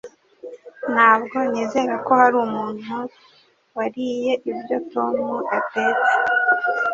Ntabwo nizera ko hari umuntu wariye ibyo Tom yatetse.